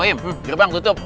gimana bangku tuh